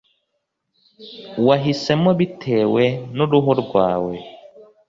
wahisemo bitewe n'uruhu rwawe,